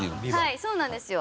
はいそうなんですよ。